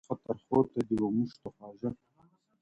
شراب ترخه ترخو ته دي، و موږ ته خواږه~